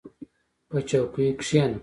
• په چوکۍ کښېنه.